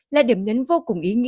là điểm nhấn vô cùng ý nghĩa